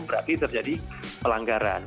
berarti terjadi pelanggaran